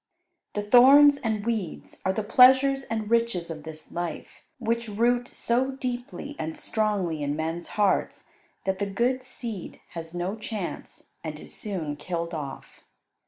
The thorns and weeds are the pleasures and riches of this life, which root so deeply and strongly in men's hearts that the good seed has no chance, and is soon killed off.